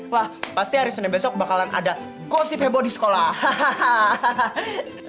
wah pasti hari senin besok bakalan ada gosip heboh di sekolah hahaha